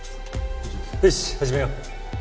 よし始めよう。